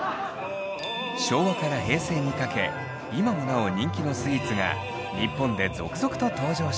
昭和から平成にかけ今もなお人気のスイーツが日本で続々と登場しました。